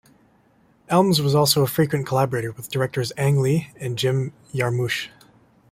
Elmes is also a frequent collaborator with directors Ang Lee and Jim Jarmusch.